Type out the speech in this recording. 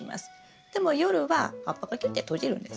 でも夜は葉っぱがキュッて閉じるんです。